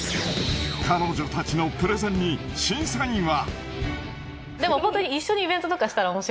彼女たちのプレゼンに審査員は。